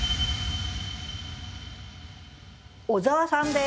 小沢さんです。